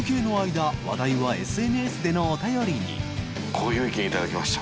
こういう意見いただきました。